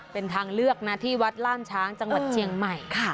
เป็นทางเลือกนะที่วัดล่านช้างจังหวัดเชียงใหม่ค่ะ